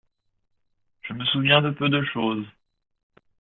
Je me souviens de peu de chose.